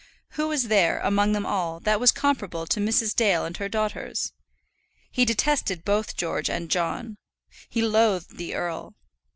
Who was there, among them all, that was comparable to Mrs. Dale and her daughters? He detested both George and John. He loathed the earl.